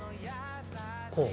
こう？